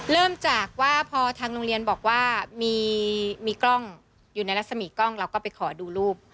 เริ่มจากว่าพอทางโรงเรียนบอกว่ามีกล้องอยู่ในรัศมีกล้องเราก็ไปขอดูรูป